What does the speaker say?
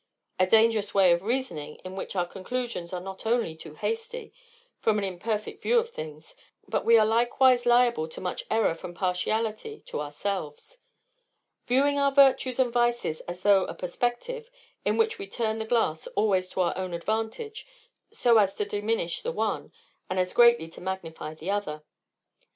A dangerous way of reasoning, in which our conclusions are not only too hasty, from an imperfect view of things, but we are likewise liable to much error from partiality to ourselves; viewing our virtues and vices as through a perspective, in which we turn the glass always to our own advantage, so as to diminish the one, and as greatly to magnify the other.